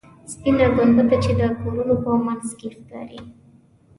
سپینه ګنبده چې د کورونو په منځ کې ښکاري.